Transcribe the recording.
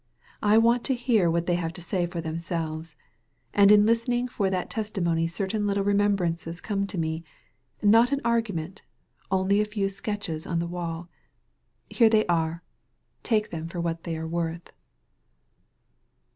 I want to hear what they have to say for themselves. And in listening for that testimony certain little remem brances come to me — ^not an argument — only a few sketches on the wall. Here they are. Take them for what they are worth.